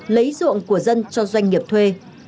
lấy ruộng của dân cho doanh nghiệp thuê